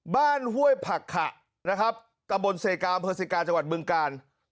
ห้วยผักขะนะครับตะบนเซกาอำเภอเซกาจังหวัดบึงกาล